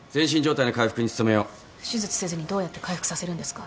手術せずにどうやって回復させるんですか？